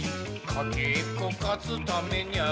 かけっこかつためにゃ」